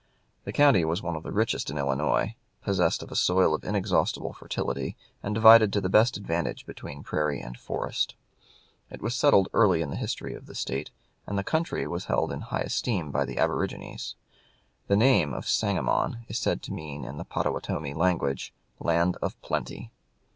The county was one of the richest in Illinois, possessed of a soil of inexhaustible fertility, and divided to the best advantage between prairie and forest. It was settled early in the history of the State, and the country was held in high esteem by the aborigines. The name of Sangamon is said to mean in the Pottawatomie language "land of plenty."